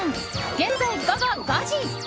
現在、午後５時。